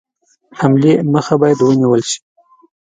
حملې مخه باید ونیوله شي.